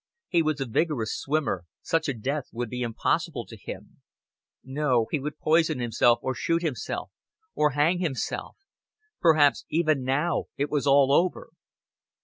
He was a vigorous swimmer such a death would be impossible to him. No, he would poison himself, or shoot himself, or hang himself. Perhaps even now it was all over.